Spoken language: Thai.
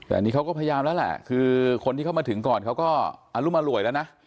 แต่อันนี้เขาก็พยายามแล้วแหละคือคนที่เข้ามาถึงก่อนเขาก็อรุมอร่วยแล้วนะ